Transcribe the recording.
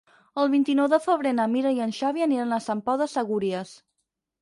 El vint-i-nou de febrer na Mira i en Xavi aniran a Sant Pau de Segúries.